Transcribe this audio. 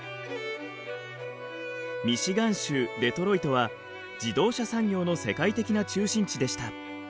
ミシガン州デトロイトは自動車産業の世界的な中心地でした。